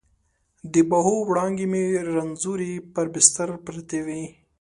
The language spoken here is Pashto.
د باهو وړانګې مې رنځورې پر بستر پرتې وي